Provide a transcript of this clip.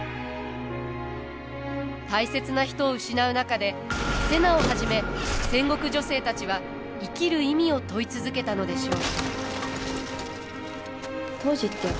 大切な人を失う中で瀬名をはじめ戦国女性たちは生きる意味を問い続けたのでしょう。